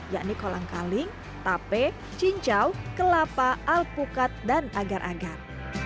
yakni kolang kaling tape cincau kelapa alpukat dan agar agar